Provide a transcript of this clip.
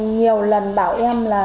nhiều lần bảo em là